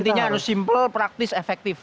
artinya harus simple praktis efektif